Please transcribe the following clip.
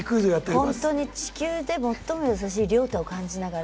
ほんとに地球で最も優しい亮太を感じながら。